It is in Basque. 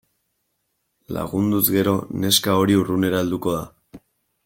Lagunduz gero neska hori urrunera helduko da.